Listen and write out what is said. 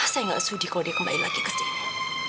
saya gak sudi kalau dia kembali lagi kesini